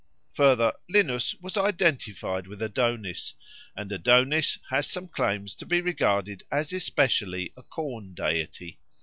Further, Linus was identified with Adonis, and Adonis has some claims to be regarded as especially a corn deity.